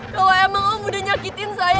kalau emang om udah nyakitin saya